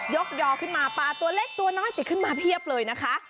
ยอขึ้นมาปลาตัวเล็กตัวน้อยติดขึ้นมาเพียบเลยนะคะ